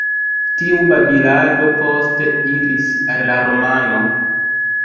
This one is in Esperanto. Tiu babilado poste iris al la romano.